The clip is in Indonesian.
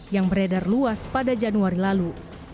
yang beredar luas pada januari lalu